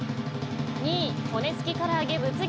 ２位、骨付きからあげ。